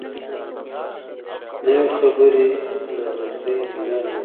نوې خبرې د دوستۍ بنیاد جوړوي